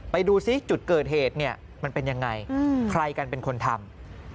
ไปดูซิจุดเกิดเหตุเนี่ยมันเป็นยังไงใครกันเป็นคนทำ